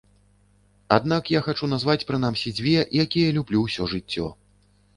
Аднак я хачу назваць прынамсі дзве, якія люблю ўсё жыццё.